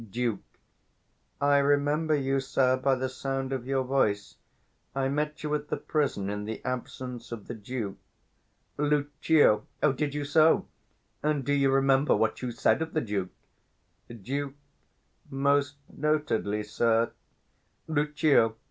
325 Duke. I remember you, sir, by the sound of your voice: I met you at the prison, in the absence of the Duke. Lucio. O, did you so? And do you remember what you said of the Duke? Duke. Most notedly, sir. 330 _Lucio.